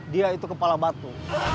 dia itu kepala batu